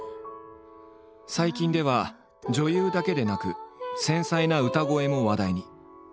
最近では女優だけでなく繊細な歌声も話題に。